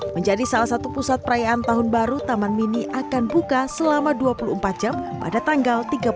menjadi salah satu pusat perayaan tahun baru taman mini akan buka selama dua puluh empat jam pada tanggal tiga puluh